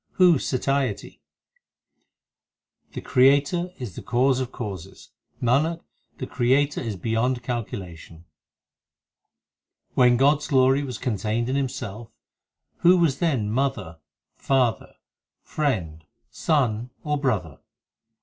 who satiety ? The Creator is the Cause of causes ; Nanak, the Creator is beyond calculation. 5 When God s glory was contained in Himself, Who was then mother, father, friend, son, or brother